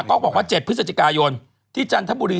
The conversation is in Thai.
ก็บอกว่า๗พฤศจิกายนที่จันทบุรี